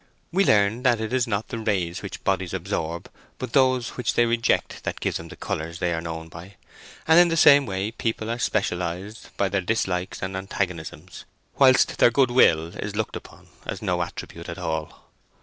We learn that it is not the rays which bodies absorb, but those which they reject, that give them the colours they are known by; and in the same way people are specialized by their dislikes and antagonisms, whilst their goodwill is looked upon as no attribute at all.